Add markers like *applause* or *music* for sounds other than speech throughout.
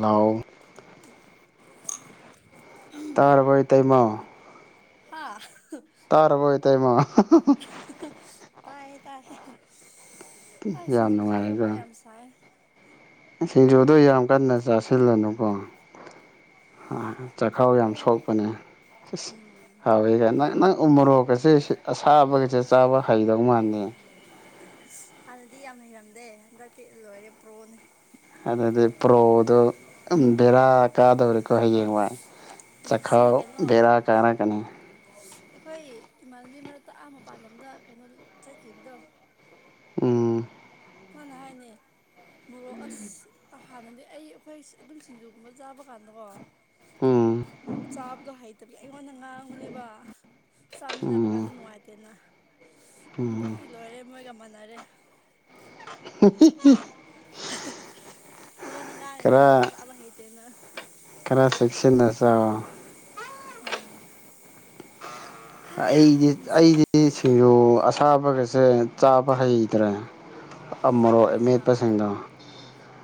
ꯅꯥꯎ ꯇꯥꯔꯕꯩ ꯏꯇꯩꯃꯥ ꯍꯥ ꯇꯥꯔꯥꯕꯣ ꯏꯇꯥꯏꯃ ꯇꯥꯏ ꯇꯥꯏ ꯌꯥꯝ ꯁꯤꯡꯖꯨ ꯆꯥꯏꯔꯕ ꯅꯨꯡꯉꯥꯏꯔꯦꯀꯣ ꯌꯥꯝ ꯁꯥꯏ ꯁꯤꯡꯖꯨꯗꯣ ꯌꯥꯝ ꯀꯟꯅ ꯆꯥꯁꯤꯜꯂꯅꯨꯀꯣ ꯣꯏ ꯆꯥꯛꯈꯥꯎ ꯌꯥꯝ ꯍꯥꯎꯋꯦ ꯁꯣꯛꯄꯅꯦꯁ ꯍꯥꯎꯋꯦ ꯀꯥꯏ ꯅꯪ ꯅꯪ ꯎꯃꯣꯔꯣꯛꯀꯁꯦ ꯑꯁꯥꯕꯒꯁꯦ ꯆꯥꯕ ꯍꯩꯗꯧ ꯃꯥꯅꯤ ꯎ ꯑꯗꯨꯗꯤ ꯌꯥꯝ ꯍꯩꯔꯝꯗꯦ ꯍꯟꯗꯛꯇꯤ ꯂꯣꯏꯔꯦ ꯄ꯭ꯔꯣꯅꯦ ꯑꯗꯨꯗꯤ ꯄ꯭ꯔꯣꯗꯣ ꯕꯦꯔꯥꯛ ꯀꯥꯗꯧꯔꯤꯀꯣ ꯍꯌꯦꯡꯋꯥꯏ ꯁꯤ ꯆꯈꯥꯎ ꯀꯩꯅꯣ ꯕꯦꯔꯥ ꯀꯥꯔꯛꯀꯅꯤ ꯑꯩꯈꯣꯏ ꯏꯃꯥꯟꯅꯕꯤ ꯃꯔꯛꯇ ꯑꯥ ꯃꯄꯥꯜꯂꯣꯝꯗ ꯀꯩꯅꯣ ꯆꯠꯈꯤꯕꯗꯣ ꯎꯝ ꯃꯥꯅ ꯍꯥꯏꯅꯦ ꯃꯣꯔꯣꯛ ꯑꯁ ꯍꯥꯟꯅꯗꯤ ꯑꯩ ꯑꯩꯈꯣꯏ ꯑꯗꯨꯝ ꯁꯤꯡꯖꯨꯒꯨꯝꯕ ꯆꯥꯕ ꯀꯥꯟꯗꯀꯣ ꯎꯝ ꯆꯥꯕꯗꯣ ꯍꯥꯏꯗꯤ ꯑꯩꯉꯣꯟꯗ ꯉꯥꯡꯉꯨꯅꯦꯕ ꯆꯥꯃꯤꯟꯅꯕ ꯀꯥꯟꯗ ꯎꯝ ꯅꯨꯡꯉꯥꯏꯇꯦꯅ ꯍꯟꯗꯛ ꯎꯝ ꯇꯤ ꯂꯣꯏꯔꯦ ꯃꯣꯏꯒ ꯃꯥꯟꯅꯔꯦ *inaudible* ꯑꯩꯉꯣꯟꯗ ꯉꯥꯏꯔꯤꯅꯤꯅ ꯃꯣꯔꯣꯛ ꯈꯔ ꯆꯥꯕ ꯍꯩꯇꯦꯅ ꯈꯔ ꯁꯤꯦꯛꯁꯤ ꯅꯁ ꯎꯝ ꯍꯥꯏ ꯑꯩꯗꯤ ꯌꯥꯝ ꯁꯥꯏ ꯑꯩꯗꯤ ꯁꯤꯁꯤꯡꯔ ꯁꯥꯕꯒꯁꯦ ꯆꯥꯕ ꯍꯩꯇ꯭ꯔꯦ ꯑꯃꯣꯔꯣꯛ ꯀꯩ ꯍꯥꯏꯕ ꯃꯦꯠꯄꯁꯤꯡꯗꯣ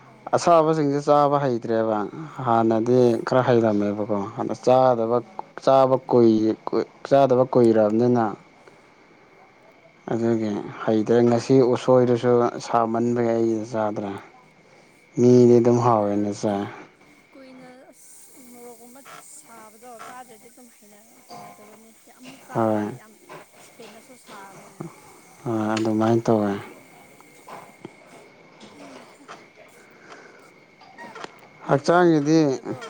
ꯑꯣ ꯑꯣ ꯑꯁꯥꯕꯁꯤꯡꯁꯦ ꯆꯥꯕ ꯍꯩꯇ꯭ꯔꯦꯕ ꯍꯥꯟꯅꯗꯤ ꯈꯔ ꯍꯩꯔꯝꯃꯦꯕꯀꯣ ꯑꯗ ꯆꯥꯗꯕ ꯎꯝ ꯆꯥꯕ ꯀꯏ ꯆꯥꯗꯕ ꯀꯨꯏꯔꯕꯅꯤꯅ ꯑꯗꯨꯒꯤ ꯍꯩꯇ꯭ꯔꯦ ꯉꯁꯤ ꯎꯁꯣꯏꯗꯨꯁꯨ ꯁꯥꯃꯟꯕꯒꯤ ꯑꯩ ꯆꯥꯗ꯭ꯔꯦ *inaudible* ꯃꯤꯗꯤ ꯑꯗꯨꯝ ꯀꯨꯏꯅ ꯍꯥꯎꯋꯦꯅ ꯆꯥꯏ ꯀꯨꯏꯅ ꯑꯁ ꯃꯣꯔꯣꯛꯀꯨꯝꯕ ꯁꯥꯕꯗꯣ ꯆꯥꯗ꯭ꯔꯗꯤ ꯑꯗꯨꯝ ꯍꯩꯅꯗꯕꯅꯤ ꯑꯃꯨꯛ ꯇꯥꯕꯃꯤ ꯌꯥꯝ ꯍꯦꯟꯅ ꯑꯣꯏ ꯑꯗꯨ ꯃꯥꯥꯏꯅ ꯇꯧꯦ ꯑꯦ ꯍꯛꯆꯥꯡꯒꯤꯗꯤ ꯑꯗꯨꯝ ꯂꯩꯕ꯭ꯔꯣ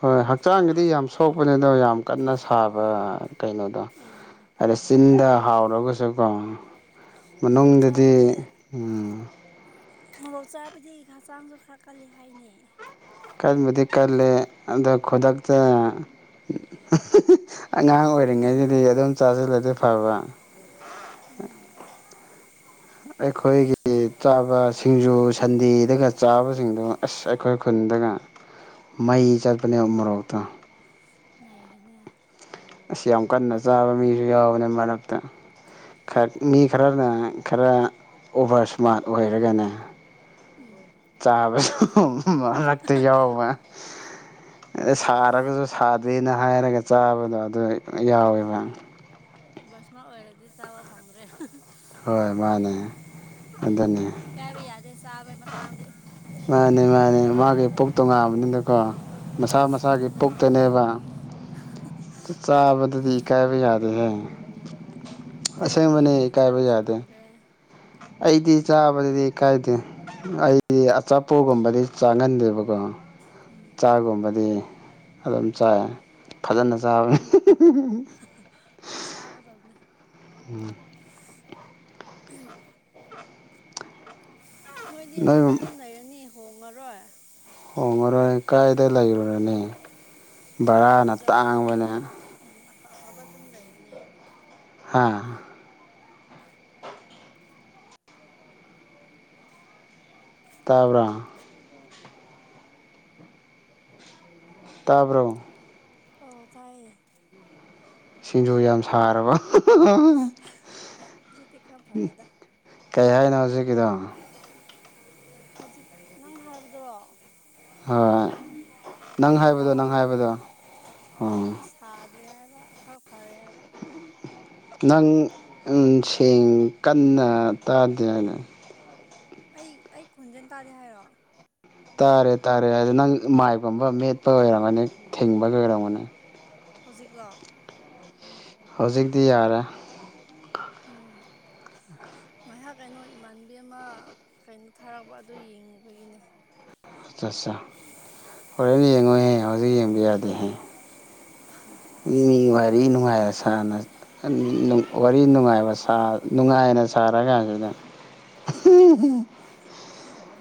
ꯍꯣꯏ ꯍꯛꯆꯥꯡꯒꯤꯗꯤ ꯌꯥꯝ ꯁꯣꯛꯄꯅꯤ ꯑꯗꯣ ꯌꯥꯝ ꯀꯟꯅ ꯁꯥꯕ ꯀꯩꯅꯣꯗꯣ ꯎꯝ ꯍꯥꯏꯗ ꯆꯤꯟꯗ ꯃꯣꯔꯣꯛ ꯍꯥꯎꯔꯒꯁꯨꯀꯣ ꯃꯣꯔꯣꯛ ꯃꯅꯨꯡꯗꯗꯤ ꯆꯥꯕꯗꯤ ꯃꯣꯔꯣꯛ ꯆꯥꯕꯗꯤ ꯍꯛꯆꯥꯡꯁꯨ ꯈꯔ ꯀꯜꯜꯂꯤ ꯍꯥꯏꯅ ꯀꯟꯕꯨꯗꯤ ꯀꯂ ꯑꯗꯣ ꯈꯨꯗꯛꯇ ꯑꯉꯥꯡ ꯑꯣꯏꯔꯤꯉꯩꯗꯗꯤ ꯑꯗꯨꯝ ꯆꯥꯁꯤꯜꯂꯗꯤ ꯐꯕ ꯑꯩꯈꯣꯏꯒꯤ ꯆꯥꯕ ꯁꯤꯡꯖꯨ ꯁꯟꯗꯤꯤꯗꯒ ꯆꯥꯕꯁꯤꯡꯗꯣ ꯑꯁ ꯑꯩꯈꯣꯏ ꯈꯨꯟ ꯑꯗꯨꯒ ꯃꯩ ꯆꯠꯄꯅꯦ ꯃꯣꯔꯣꯛꯇ ꯅꯥꯏꯅꯦ ꯑꯁꯤ ꯌꯥꯝ ꯀꯟꯅ ꯆꯥꯕ ꯃꯤꯁꯨ ꯌꯥꯎꯕꯅꯤ ꯃꯔꯛꯇ ꯃꯤ ꯈꯔꯅ ꯈꯔ ꯑꯣꯚꯔ ꯏꯁꯃꯥꯔꯠ ꯑꯣꯏꯔꯒꯅꯦ ꯆꯥꯕ ꯂꯛꯇ ꯌꯥꯎꯕ ꯑ ꯁꯥꯔꯒꯁꯨ ꯁꯥꯗꯦꯅ ꯍꯥꯏꯔꯒ ꯆꯥꯕꯗꯣ ꯑꯗꯨ ꯌꯥꯎꯋꯦꯕ ꯕꯁꯃ ꯑꯣꯏꯔꯗꯤ ꯆꯥꯕ ꯐꯪꯗ꯭ꯔꯦ ꯍꯣꯏ ꯃꯥꯅꯦ ꯀꯌꯥꯕꯩ ꯌꯥꯗꯦ ꯁꯥꯕ ꯃꯥꯅꯤ ꯃꯥꯅꯤ ꯃꯥꯒꯤ ꯄꯨꯣꯛ ꯇꯣ ꯉꯥꯕꯅꯤꯅꯀꯣ ꯃꯁꯥ ꯃꯁꯥꯒꯤ ꯑꯗꯨꯅꯦ ꯄꯨꯣꯛꯛꯇꯅꯦꯕ ꯆꯥꯕꯗꯗꯤ ꯀꯕ ꯌꯥꯗ ꯍꯥꯏ ꯀꯥꯏꯔꯤ ꯆꯥꯕꯁꯨ ꯐꯝ꯭ꯔ ꯑꯩꯗꯤ ꯆꯥꯕꯗꯗꯤ ꯀꯥꯏꯗꯦ ꯑꯩꯗꯤ ꯑꯆꯥꯄꯣꯠꯒꯨꯝꯕꯗꯤ ꯆꯥꯡꯍꯟꯗꯦꯕꯀꯣ ꯆꯥꯒꯨꯝꯕꯗꯤ ꯑꯗꯨꯝ ꯆꯥꯏ ꯐꯖꯅ ꯆꯥꯕꯅꯤ ꯁꯥꯒꯗꯅꯦ ꯎꯝ ꯅꯣꯏꯗꯤ ꯅꯣꯏ ꯑꯗꯨꯗ ꯑꯗꯨꯝ ꯂꯩꯔꯅꯤ ꯍꯣꯡꯉꯔꯣꯏ ꯍꯣꯡꯉꯔꯣꯏ ꯀꯥꯏꯗ ꯂꯩꯔꯨꯔꯅꯦ ꯁꯤ ꯕꯖꯥꯔ ꯃꯅꯥꯗꯁꯨ ꯑꯗꯨꯝ ꯑꯐ ꯑꯐꯕ ꯑꯗꯨꯝ ꯂꯩꯕꯅꯦ ꯍꯥꯥ *unintelligible* *inaudible* ꯇꯥꯕ꯭ꯔ ꯇꯥꯕ꯭ꯔꯣ ꯑꯣ ꯇꯥꯏꯌꯦ ꯁꯤꯡꯖꯨ ꯌꯥꯝ ꯁꯥꯔꯕ ꯍꯧꯖꯤꯛꯇꯤ ꯈꯔ ꯐꯔꯦꯗ ꯀꯩ ꯍꯥꯏꯅꯣ ꯍꯧꯖꯤꯛꯀꯤꯗ ꯍꯧꯖꯤꯛ ꯅꯪ ꯍꯥꯏꯕꯗꯔꯣ ꯍꯣꯏ ꯅꯪ ꯑꯩ ꯇ ꯍꯥꯏꯕꯗꯣ ꯅꯪ ꯍꯣꯗꯦ ꯍꯥꯏꯕꯗꯣ ꯑꯣ ꯍꯧꯖꯤꯛꯇꯛꯇ ꯁ ꯐꯔꯦ ꯍꯥꯏꯕꯈꯔ ꯐꯔꯦ ꯍꯥꯏꯕ ꯅꯪ ꯁꯦꯡ ꯀꯟꯅ ꯇꯥꯗꯦ ꯍꯥꯏꯅ ꯑꯩ ꯑꯩ ꯈꯣꯟꯖꯦꯜ ꯇꯥꯗꯦ ꯍꯥꯏꯔꯣ ꯇꯥꯔꯦ ꯇꯥꯔꯦ ꯍꯥꯏꯗꯤ ꯅꯪ ꯃꯥꯏꯒꯨꯝꯕ ꯃꯦꯠꯄ ꯑꯣꯏꯔꯝꯒꯅꯤ ꯊꯤꯡꯕꯒꯤ ꯑꯣꯏꯔꯝꯒꯅꯤ ꯍꯧꯖꯤꯛꯀꯣ ꯍꯧꯖꯤꯛꯇꯤ ꯌꯥꯔꯦ ꯎꯝ *unintelligible* *inaudible* ꯉꯥꯏꯍꯥꯛ ꯀꯩꯅꯣ ꯏꯃꯥꯟꯕꯤ ꯑꯃ ꯀꯩꯅꯣ ꯊꯥꯔꯛꯄ ꯑꯗꯨ ꯌꯦꯡꯉꯨꯕꯒꯤꯅꯦ ꯑ *unintelligible* *inaudible* ꯍꯣꯔꯦꯟ ꯌꯦꯡꯉꯣꯏꯍꯦ ꯍꯧꯖꯤꯛ ꯌꯦꯡꯕ ꯌꯥꯗꯦꯍꯦ ꯃꯤ ꯌꯦꯡꯕ ꯅꯨꯡꯉꯥꯏꯔꯤ ꯂꯣꯏꯔꯦꯗ ꯅꯨꯡꯉꯥꯏꯔ ꯁꯥꯔꯅ ꯋꯥꯔꯤ ꯅꯨꯡꯉꯥꯏꯕ ꯅꯨꯡꯉꯥꯏꯅ ꯁꯥꯔꯀꯥꯟꯁꯤꯗ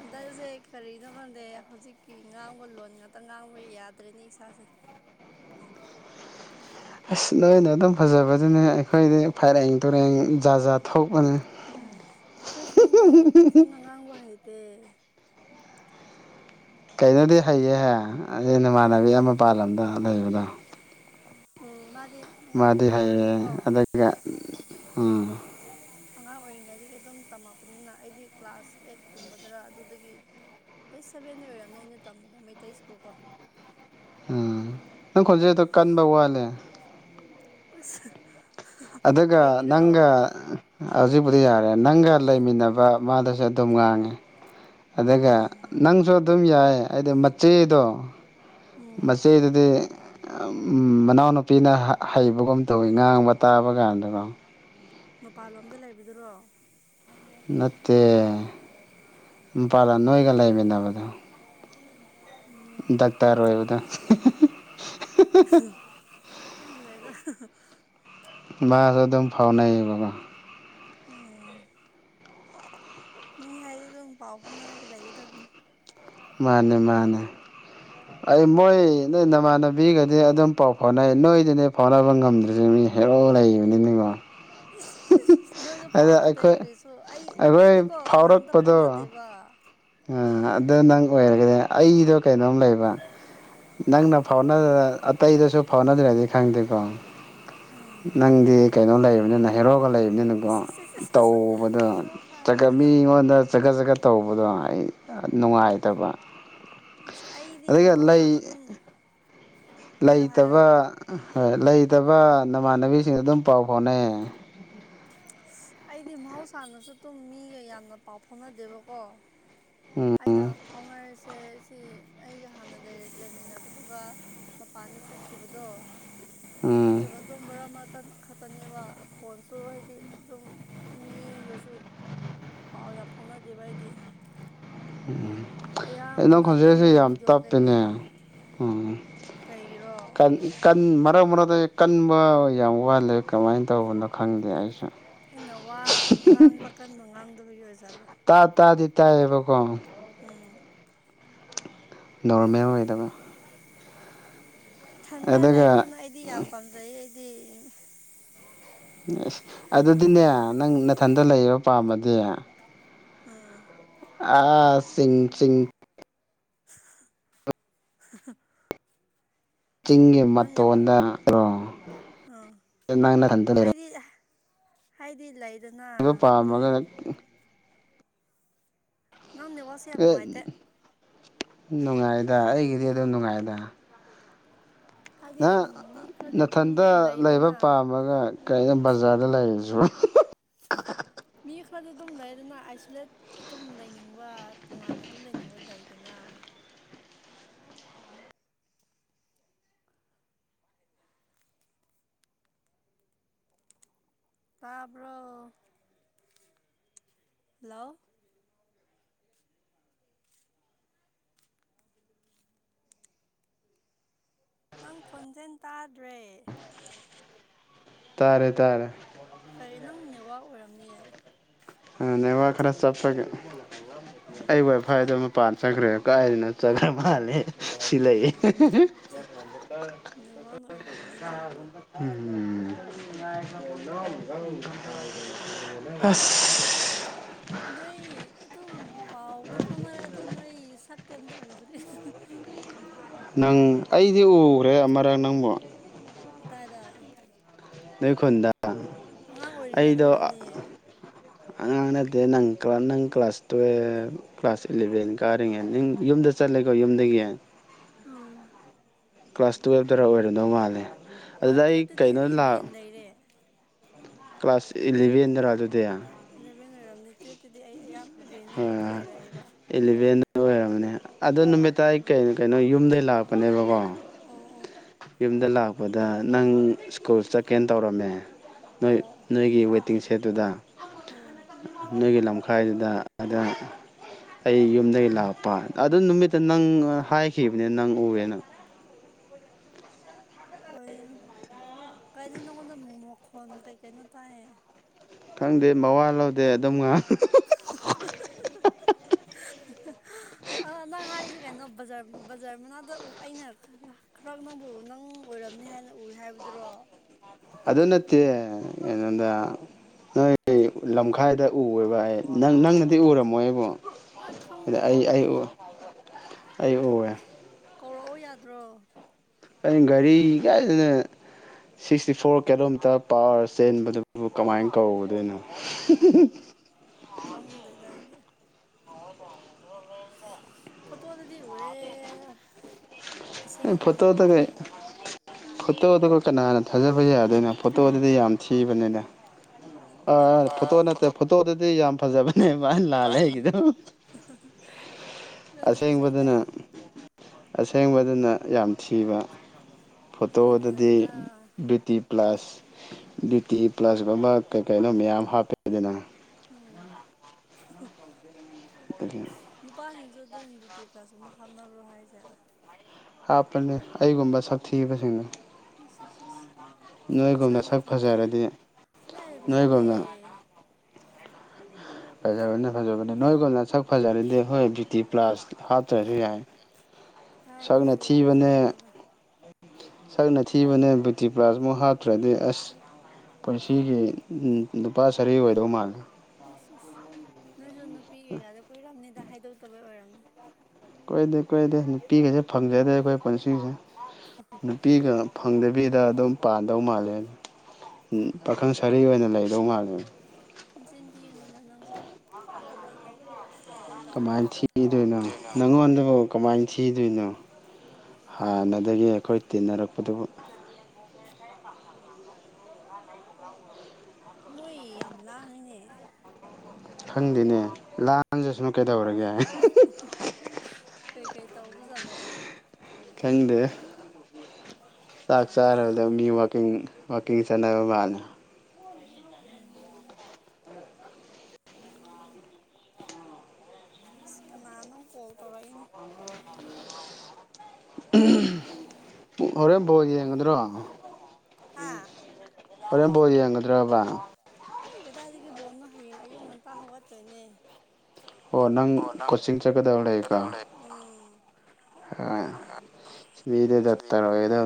ꯑꯗ ꯑꯗꯨ ꯀꯔꯤꯅꯣ ꯈꯪꯗꯦ ꯍꯧꯖꯤꯛꯀꯤ ꯉꯥꯡꯕ ꯂꯣꯟ ꯉꯥꯛꯇ ꯉꯥꯡꯕ ꯌꯥꯗ꯭ꯔꯦꯅꯤ ꯏꯁꯥꯁꯦ ꯑꯁ ꯅꯣꯏꯅ ꯑꯗꯨꯝ ꯐꯖꯕꯗꯨꯅꯦ ꯑꯩꯈꯣꯏꯗꯤ ꯐꯥꯏꯔꯦꯡ ꯇꯨꯔꯦꯡ ꯖꯥꯠ ꯖꯥꯠ ꯊꯣꯛꯄꯅꯦ ꯑꯩꯈꯣꯏ ꯁꯤꯅꯤꯗ ꯐꯖꯅ ꯉꯥꯡꯕ ꯍꯩꯇꯦ ꯀꯩꯅꯣꯗꯤ ꯍꯩꯌꯦꯍꯦ ꯑꯩ ꯅꯃꯥꯟꯅꯕꯤ ꯑꯃ ꯄꯥꯜꯂꯝꯗꯣ ꯂꯩꯕꯗꯣ ꯎꯝ *unintelligible* *inaudible* ꯃꯥꯗꯤ ꯍꯥꯏꯌꯦꯑ ꯑꯣꯏꯔꯤꯉꯩꯗꯒꯤꯀꯣ ꯑꯗꯨꯒ ꯎꯝ ꯑꯉꯥꯡ ꯑꯣꯏꯔꯤꯉꯩꯗꯒꯤ ꯑꯗꯨꯝ ꯇꯝꯃꯛꯄꯅꯤꯅ ꯑꯩꯗꯤ ꯀ꯭ꯂꯥꯁ ꯑꯦꯠꯀꯨꯝꯕꯗꯔ ꯑꯗꯨꯗꯒꯤ ꯑꯩꯠ ꯁꯚꯦꯟꯗ ꯑꯣꯏꯔꯕꯅꯦ ꯑꯩꯅ ꯇꯝꯕꯗ ꯃꯩꯇꯩ ꯁ꯭ꯀꯨꯜ ꯀꯣ ꯎꯝ ꯅꯪ ꯈꯣꯟꯖꯦꯗꯣ ꯀꯟꯕ ꯋꯥꯠꯂꯦ ꯁ *unintelligible* *inaudible* ꯑꯗꯨꯒ ꯅꯪ ꯍꯧꯖꯤꯛꯄꯨꯗꯤ ꯌꯥꯔꯦ ꯅꯪꯒ ꯂꯩꯃꯤꯟꯅꯕ ꯃꯥꯗꯨꯁꯨ ꯑꯗꯨꯝ ꯉꯥꯡꯉꯦ ꯑꯗꯨꯒ ꯎꯝ ꯅꯪꯁꯨ ꯑꯗꯨꯝ ꯌꯥꯏ ꯍꯥꯏꯗꯤ ꯃꯆꯦꯗꯣ ꯎꯝ ꯃꯆ‌ꯦꯗꯗꯤ ꯑ ꯎꯝ ꯃꯅꯥꯎꯅꯨꯄꯤꯅ ꯍꯩꯕꯒꯨꯝ ꯇꯧꯋꯤ ꯉꯥꯡꯕ ꯇꯥꯕ ꯀꯥꯟꯗꯀꯣ ꯃꯄꯥꯟꯂꯣꯝꯗ ꯂꯩꯕꯗꯨꯔꯣ ꯅꯠꯇꯦ ꯎꯝ ꯄꯂꯥ ꯃꯔꯝ ꯅꯣꯏꯒ ꯂꯩꯃꯤꯟꯅꯕꯗ‌ꯣ ꯗꯥꯛꯇꯔ ꯑꯣꯏꯕꯗ‌ꯣ *unintelligible* ꯈꯪꯗꯦꯗ ꯃꯥꯁꯨ ꯑꯗꯨꯝ ꯐꯥꯎꯅꯩꯌꯦꯕꯀ‌ꯣ ꯑ ꯃꯤ ꯍꯥꯏꯗꯤ ꯑꯗꯨꯝ ꯄꯥꯎ ꯐꯥꯎꯅꯔꯒ ꯂꯩꯒꯗꯕꯅꯤ ꯃꯥꯅꯦ ꯃꯥꯅꯦ ꯑꯩ ꯃꯣꯏ ꯅꯣꯏ ꯅꯃꯥꯟꯅꯕꯤꯒꯗꯤ ꯑꯗꯨꯝ ꯄꯥꯎ ꯐꯥꯎꯅꯩ ꯅꯣꯏꯗꯤꯅꯦ ꯐꯥꯎꯅꯕ ꯉꯝꯗ꯭ꯔꯤꯁ‌ꯦ ꯃꯤ ꯍꯦꯔ‌ꯣ ꯂꯩꯕꯅꯤꯅ‌ꯦꯉ‌ꯣ ꯏꯁ *unintelligible* ꯅꯣꯏꯁꯨ ꯐꯥꯎꯔꯛꯇꯦ ꯑꯩꯈꯣꯏ ꯀ꯭ꯔꯤꯁꯨ ꯑꯩ ꯑꯩꯈꯣꯏ ꯑꯩꯗꯤꯀꯣ ꯀꯅꯥꯝꯇ ꯐꯥꯎꯅꯗꯦꯕ ꯑꯥ ꯎꯝ ꯑꯗ ꯅꯪ ꯑꯣꯏꯈꯔ‌ꯦ ꯑꯩꯗꯣ ꯀꯩꯅꯣꯝ ꯂꯩꯕ ꯅꯪꯅ ꯐꯥꯎꯅ ꯑꯥ ꯑꯇꯩꯗꯁꯨ ꯐꯥꯎꯅꯗ꯭ꯔꯗꯤ ꯈꯪꯗ‌ꯦꯀꯣ ꯅꯪꯗꯤ ꯀꯩꯅꯣ ꯂꯩꯕꯅꯤꯅ ꯍꯦꯔꯣꯒ ꯂꯩ ꯑꯗꯨꯅꯀꯣ ꯏꯁ ꯏꯁ ꯏꯁ ꯏꯁ ꯇꯧꯕꯗ ꯍꯦꯔꯣ ꯀꯥꯏꯅ ꯆꯒꯠ ꯃꯤꯉꯣꯟꯗ ꯆꯒꯠ ꯆꯒꯠ ꯇꯧꯕꯗꯣ ꯑꯩ ꯑ ꯅꯨꯡꯉꯥꯏꯇꯕ ꯑꯦꯁ ꯑꯩꯗꯤ ꯑꯗꯨꯒ ꯃꯍꯧꯁꯥꯅ ꯂꯩ ꯑꯗꯨꯝ ꯍꯥꯏꯔꯣ ꯍꯥꯏꯔꯣ ꯂꯩꯇꯕ ꯑ ꯍꯣꯏ ꯂꯩꯇꯕ ꯅꯃꯥꯟꯅꯕꯤꯁꯤꯡ ꯑꯗꯨꯝ ꯄꯥꯎ ꯐꯥꯎꯅꯩꯌꯦ ꯑꯩꯗꯤ ꯃꯍꯧꯁꯥꯅꯁꯨ ꯑꯗꯨꯝ ꯃꯤꯒ ꯌꯥꯝꯅ ꯄꯥꯎ ꯐꯥꯎꯅꯗꯦꯕꯀꯣ ꯑꯩꯅ ꯎꯝ ꯐꯥꯎꯅꯔꯤꯁ ꯁꯦ ꯁꯤ ꯑꯩꯒ ꯍꯥꯟꯅ ꯂꯩ ꯂꯩꯃꯤꯟꯅꯕꯗꯨꯒ ꯃꯄꯥꯟꯗ ꯆꯠꯈꯤꯕꯗꯣ ꯎꯝ ꯑꯗꯨꯒ ꯑꯗꯨꯝ ꯃꯔꯛ ꯃꯔꯛꯇ ꯈꯛꯇꯅꯦꯕ ꯐꯣꯟꯁꯨ ꯍꯥꯏꯗꯤ ꯑꯗꯨꯝ ꯃꯤꯒꯁꯨ ꯄꯥꯎ ꯌꯥꯝ ꯐꯥꯎꯅꯗꯦꯕ ꯑꯩꯗꯤ ꯑ ꯅꯪ ꯑꯌꯥꯝꯕꯅ ꯑꯗꯨꯝ ꯈꯣꯟꯖ‌ꯦꯜꯁꯦ ꯌꯥꯝ ꯚꯤꯗꯤꯑꯣ ꯀꯩꯀꯥ ꯇꯞꯄꯤꯅꯦ ꯎꯝ ꯀꯩꯒꯤꯔꯣ ꯀꯟ ꯀꯟ ꯃꯔꯛ ꯃꯔꯛ ꯇ ꯀꯟꯕ ꯌꯥꯝ ꯋꯥꯠꯂꯦ ꯀꯃꯥꯏꯅ ꯇꯧꯕꯅꯣ ꯈꯪꯗꯦ ꯑꯩꯁꯨ ꯑꯩꯅ ꯋꯥ ꯉꯥꯡꯕ ꯀꯟꯅ ꯉꯥꯡꯗꯕꯒꯤ ꯑꯣꯏꯖꯥꯠꯂꯣ ꯇꯥ ꯇꯥꯗꯤ ꯇꯥꯏꯌꯦꯕꯀꯣ ꯎꯝ ꯅ‌ꯣꯔꯃ‌ꯦꯜ ꯑꯣꯏꯗꯕ ꯊꯟꯗ ꯑꯗꯨꯒ ꯂꯩꯕꯗꯨꯅ ꯑꯩꯗꯤ ꯌꯥꯝ ꯄꯥꯝꯖꯩ ꯑꯩꯗꯤ ꯑꯁ ꯍꯟ ꯑꯗꯨꯗꯤꯅꯦ ꯅꯪ ꯅꯊꯟꯗ ꯂꯩꯕ ꯄꯥꯝꯃꯗꯤ ꯎꯝ ꯑꯥ ꯁꯤꯡ ꯆꯤꯡ *unintelligible* ꯆꯤꯡꯒꯤ ꯅꯪ ꯅꯦꯠꯋꯥꯛ ꯃꯇꯣꯟꯗ *unintelligible* ꯀ‌ꯣ ꯎꯝ ꯅꯪ *inaudible* ꯅꯊꯟ ꯂꯩ ꯍꯥꯏꯗꯤ ꯍꯥꯏꯗꯤ ꯂꯩ ꯗꯣ ꯄꯥꯝꯃꯒ ꯅꯪ ꯅ‌ꯦꯠꯋꯥꯛꯁ‌ꯦ ꯌꯥꯝ ꯅꯨꯡꯉꯥꯏꯇꯦ ꯅꯨꯡꯉꯥꯏꯗ ꯑꯩꯒꯤꯗꯤ ꯑꯗꯨꯝ ꯅꯨꯡꯉꯥꯏꯗ ꯍꯥꯏꯗꯤ ꯅꯪ ꯑ ꯃꯤ ꯈꯔꯗꯤ ꯑꯗꯨꯝ ꯅꯥꯊꯟꯗ ꯂꯩꯕ ꯂꯩꯗꯅ ꯄꯥꯝꯃꯒ ꯀꯩꯅ‌ꯣ ꯕꯖꯥꯔꯗ ꯂꯩꯔꯤꯁꯤꯕꯨ *inaudible* ꯃꯤ ꯈꯔꯗꯤ ꯑꯗꯨꯝ ꯂꯩꯗꯅ ꯑꯥꯏꯁꯣꯂꯦꯠ ꯑꯗꯨꯝ ꯂꯩꯅꯤꯡꯕ ꯇꯣꯉꯥꯟꯅ ꯑꯗꯨꯝ ꯂꯩꯅꯤꯡꯕ ꯂꯩꯗꯅ ꯇꯥꯕꯔ‌ꯣ ꯍꯜꯂꯣ ꯅꯪ ꯈꯣꯟꯖꯦꯜ ꯇꯥꯗ꯭ꯔꯦ ꯇꯥꯔꯦ ꯇꯥꯔꯦ ꯀꯔꯦ ꯅꯪ ꯅꯦꯋꯥꯛ ꯑꯣꯏꯔꯝꯅꯤꯌꯦ ꯅꯦꯠꯋꯥꯛ ꯈꯔ ꯆꯠꯄꯒꯦ ꯑꯩ ꯋꯥꯏꯐꯥꯏꯗ ꯍꯣꯏ ꯃꯄꯥꯟ ꯆꯈ꯭ꯔꯦꯕ ꯀꯥꯏꯅ ꯆꯒꯥ꯭ꯔ ꯃꯥꯂꯦ ꯁꯤꯂꯏ ꯎꯝ ꯑꯗꯨꯅꯤ ꯅꯪ ꯎꯝꯝ ꯑ ꯅꯣꯏ ꯑꯗꯨꯝ ꯄꯥꯎꯗꯤ ꯐꯝꯅꯔꯦ ꯑꯗꯣ ꯅꯣꯏ ꯁꯛꯇꯤ ꯑꯝꯇ ꯎꯗ꯭ꯔꯤ ꯅꯪ ꯑꯩꯗꯤ ꯎꯈ꯭ꯔꯦ ꯑꯃꯔꯛ ꯅꯪꯕꯨ ꯑꯗꯥꯥꯏꯗ ꯅꯣꯏ ꯈꯨꯟꯗ ꯑꯉꯥꯡ ꯑꯣꯏꯔꯤꯉꯩꯗ ꯑꯩꯗꯣ ꯑꯣꯏꯝꯅꯤꯌꯦ ꯑꯉꯥꯡ ꯅꯠꯇꯦ ꯅꯪ ꯅꯪ ꯀ꯭ꯂꯥꯁ ꯇꯨꯌꯦꯜꯐ ꯀ꯭ꯂꯥꯁ ꯏꯂꯦꯚꯦꯟ ꯀꯥꯔꯤꯉꯩ ꯅꯪ ꯌꯨꯝꯗ ꯆꯠ ꯆꯠꯂꯦꯀꯣ ꯌꯨꯝꯗꯒꯤ ꯎꯝ ꯀ꯭ꯂꯥꯁ ꯇꯨꯌꯦꯜꯞꯇꯔ ꯑꯣꯏꯔꯝꯗꯧ ꯃꯥꯜꯂꯦ ꯑ ꯑꯗꯨꯗ ꯑꯩ ꯇꯨꯌꯦꯜꯞꯇꯗꯤ ꯀꯩꯅꯣ ꯑꯩ ꯂꯥꯛ ꯔꯦꯟ ꯂꯩꯔꯦ ꯀ꯭ꯂꯥꯁ ꯏꯂꯤꯚꯟ ꯔ ꯑꯗꯨꯗ ꯏꯂꯚꯦꯟ ꯂꯩꯔꯝꯅꯤ ꯇꯨꯌꯦꯜꯞꯇꯗꯤ ꯑꯩ ꯑꯌꯥꯝ ꯔꯦꯟꯗ ꯉꯥꯛꯇ ꯂꯩꯔꯛꯑꯦꯕ ꯑꯣꯏꯔꯕꯅꯤ ꯑꯗꯣ ꯅꯨꯃꯤꯠ ꯇ ꯑꯩ ꯀꯩꯅꯣ ꯀꯩꯅꯣ ꯌꯨꯝꯗꯒꯤꯩ ꯂꯥꯛꯄꯅꯦꯕꯀꯣ ꯑꯣ ꯑꯣ ꯌꯨꯝꯗ ꯂꯥꯛꯄꯗ ꯅꯪ ꯁ꯭ꯀꯨꯜ ꯆꯠꯀꯦꯅ ꯇꯧꯔꯝꯃꯦ ꯅꯣꯏ ꯑꯣ ꯅꯣꯏꯒꯤ ꯋ ꯃꯤ ꯇꯤꯡ ꯁꯦꯠꯇꯨꯗ ꯎꯝ ꯅꯣꯏꯒꯤ ꯂꯝꯈꯥꯏꯗꯨꯗ ꯑꯗꯨꯗ ꯑꯩ ꯌꯨꯝꯗꯒꯤ ꯂꯥꯛꯄ ꯑꯗꯨ ꯅꯨꯃꯤꯠꯇ ꯅꯪ ꯍꯥꯏꯈꯤꯕꯅꯤ ꯅꯪ ꯎꯔꯦ ꯅꯪ ꯀ ꯀꯩꯅꯣ ꯅꯪꯉꯣꯟꯗꯅꯨꯡ ꯃꯈꯣꯟ ꯀꯩꯀꯩꯅꯣ ꯇꯥꯏꯌꯦ ꯈꯪꯗꯦ ꯃꯋꯥ ꯂꯧꯗꯦ ꯑꯗꯨꯝ ꯉ ꯑ ꯅꯪ ꯍꯥꯏꯁꯦ ꯀꯩꯅꯣ ꯕꯥꯔ ꯕꯖꯥꯔ ꯃꯅꯥꯗ ꯑꯩꯅ ꯈꯔ ꯅꯪꯕꯨ ꯅꯪ ꯑꯣꯏꯔꯝꯅꯤ ꯍꯥꯏꯅ ꯎꯏ ꯍꯥꯏꯕ ꯭ꯔꯣ ꯑꯗꯨ ꯅꯠꯇꯦ ꯀꯩꯅꯣꯗ ꯅꯣꯏ ꯂꯝꯈꯥꯏꯗ ꯎꯦꯕ ꯑꯩ ꯅꯪ ꯅꯪꯅꯗꯤ ꯎꯔꯝꯃꯣ ꯑꯩꯕꯨꯣ ꯑꯩ ꯑꯗ ꯈꯪꯗꯦꯗ ꯑꯩ ꯑꯩ ꯑꯗꯨꯗꯤ ꯎ ꯑꯩ ꯎꯋꯦ ꯀꯧꯔꯛꯑꯣ ꯌꯥꯗ꯭ꯔꯣ ꯑꯩꯅ ꯒꯥꯔꯤ ꯀꯥꯏꯗꯅ ꯁꯤꯛꯁꯇꯤ ꯐꯣꯔ ꯀꯤꯂꯣꯃꯤꯇꯔ ꯄꯋꯥꯔ ꯆꯦꯟꯕꯗꯨꯕꯨ ꯀꯃꯥꯏꯅ ꯀꯧꯗꯣꯏꯅꯣ ꯎꯝ ꯎꯝ ꯈꯪꯗꯦꯗꯥꯏꯗꯤ ꯐꯠꯇꯣ ꯑꯗꯨ ꯑꯁꯦꯡꯕꯗꯗꯤ ꯐꯠꯇ ꯀ ꯎꯗ꯭ꯔꯦ ꯀꯥꯏ ꯐꯠꯇ ꯀ ꯀ ꯀꯅꯥ ꯍꯅ ꯊꯥꯖꯕ ꯌꯥꯗꯣꯏꯅꯣ ꯐꯣꯇꯣ ꯑꯗꯨꯗꯤ ꯌꯥꯝ ꯊꯤꯕꯅꯤꯅ ꯑ ꯐꯖꯩ ꯐꯣꯇꯣ ꯅꯠꯇꯦ ꯐꯣꯇꯣꯗꯗꯤ ꯌꯥꯝ ꯐꯖꯕ ꯅ ꯃꯥ ꯂꯥꯜꯂꯦ ꯑꯩꯒꯤꯗꯣ ꯂꯣꯏꯅ ꯐꯖꯩꯗ ꯑꯁꯦꯡꯕꯗꯨꯅ ꯑꯁꯦꯡꯕꯗꯨꯅ ꯌꯥꯝ ꯊꯤꯕ ꯐꯣꯇꯣ ꯑꯗꯨꯝ ꯑꯗꯨꯗꯤ ꯐꯖꯩꯗ ꯕ꯭ꯌꯨꯇꯤ ꯄ꯭ꯂꯁ ꯕꯤꯌ ꯇꯤ ꯄ꯭ꯂꯁꯀꯨꯝꯕ ꯀꯩ ꯀꯩꯅꯣ ꯃꯌꯥꯝ ꯍꯥꯞꯄꯦ ꯑꯗꯨꯅ ꯎꯝ ꯑꯗꯒꯤ ꯑꯗꯨꯄꯥꯁꯨ ꯑꯗꯨꯝ ꯕꯤ ꯇꯤ ꯄ꯭ꯂꯥꯁꯀꯨꯝꯕ ꯍꯥꯞꯅꯕ꯭ꯔꯣ ꯍꯥꯏꯁꯦ ꯍꯥꯞꯄꯅꯦ ꯑꯩꯒꯨꯝꯕ ꯁꯥꯛꯊꯤꯕꯁꯤꯡꯅ ꯑꯦꯁ ꯑꯦꯁ ꯑꯦꯁ ꯃꯁꯥꯅ ꯁꯛ ꯊꯇ ꯐꯖꯔꯗꯤ ꯍ ꯐꯖꯥꯗꯤꯦ ꯅꯣꯏꯒꯨꯝꯅ ꯐꯖꯕꯅꯦ ꯐꯖꯕꯅꯦ ꯅꯣꯏꯒꯅ ꯁꯛ ꯐꯖꯔꯗꯤ ꯍꯣꯏ ꯕꯌꯨꯇꯤ ꯄ꯭ꯂꯥꯁ ꯍꯥꯞꯇ꯭ꯔꯁꯨ ꯌꯥꯏ ꯁꯛꯅ ꯀꯗꯥꯏꯗꯒꯤ ꯊꯤꯕꯅꯦ ꯐꯖꯕꯅꯣꯗ ꯁꯛꯅ ꯊꯤꯕꯅꯦ ꯕꯕꯨꯇꯤꯄ꯭ꯔꯖꯃꯨꯛ ꯍꯥꯠꯇ꯭ꯔꯗꯤ ꯑꯁ ꯄꯨꯟꯁꯤꯒꯤ ꯅꯨꯄꯥ ꯁꯔꯤ ꯑꯣꯏꯗꯧ ꯃꯥꯜꯂꯦ ꯑꯁ ꯑꯁ ꯅꯣꯏꯁꯨ ꯅꯨꯄꯤ ꯀꯩꯀꯥꯗ ꯀꯨꯏꯔꯝꯅꯤꯗ ꯍꯥꯏꯗꯣꯛꯇꯕꯩ ꯑꯣꯏꯔꯝꯅꯦ ꯀꯣꯏꯗꯦ ꯀꯣꯏꯗꯦ ꯅꯨꯄꯤꯒꯁꯦ ꯐꯪꯖꯗꯦ ꯑꯩꯈꯣꯏ ꯄꯨꯟꯁꯤꯁꯦ ꯅꯨꯄꯤꯒ ꯐꯪꯗ ꯅꯨꯕꯤꯗ ꯑꯗꯨꯝ ꯄꯥꯟꯗꯧ ꯃꯥꯜꯂꯦ ꯄꯥꯈꯪ ꯁꯔꯤ ꯑꯣꯏꯅ ꯂꯩꯗꯧ ꯃꯥꯜꯂꯦ ꯏꯟꯆꯤꯟꯗꯤ ꯌꯦꯡꯉꯨꯗ ꯅꯪꯁꯨ ꯈꯣꯏꯕꯅꯤꯗ ꯀꯃꯥꯏꯅ ꯊꯤꯗꯣꯏꯅꯣ ꯅꯪꯉꯣꯟꯗꯕꯨ ꯀꯃꯥꯏꯅ ꯊꯤꯗꯣꯏꯅꯣ ꯍꯥꯟꯅꯗꯒꯤ ꯑꯩꯈꯣꯏ ꯇꯤꯟꯅꯔꯛꯄꯗꯨꯕꯨ ꯃꯣꯏ ꯌꯥꯝ ꯂꯅꯦ ꯈꯪꯗꯦꯅꯦ ꯂꯥꯟꯖꯁꯅꯨ ꯀꯩꯗꯧꯔꯒꯦ ꯀꯩ ꯀꯩ ꯇꯥꯎꯕꯨꯖꯂ ꯈꯪꯗꯦ ꯆꯥꯛ ꯆꯥꯔꯕꯗ ꯃꯤ ꯋꯥꯀꯤꯡ ꯋꯥꯋꯀꯤꯡ ꯆꯥꯟꯅꯕ ꯃꯥꯜꯂ ꯑꯁ ꯀꯅꯥꯅꯣꯪ ꯀꯣꯜ ꯇꯧꯔꯛꯏꯅꯦ ꯍꯣꯔꯦꯟ ꯕꯣ ꯌꯦꯡꯒꯗ꯭ꯔꯣ ꯍꯥ ꯑꯣꯔꯝ ꯄꯣꯗꯤꯉꯗ꯭ꯔꯕꯅ ꯑꯩ ꯀꯗꯥꯏꯗꯒꯤ ꯕꯣꯜꯅꯣ ꯍꯌꯦꯡ ꯑꯌꯨꯛ ꯉꯟꯇꯥ ꯍꯧꯒꯠꯇꯣꯏꯅꯦ ꯑꯣ ꯅꯪ ꯀꯣꯆꯤꯡ ꯆꯠꯀꯗꯕ ꯂꯩꯀꯣ ꯎꯝ ꯑꯗ ꯆꯇꯥꯔ ꯑꯣꯏꯗ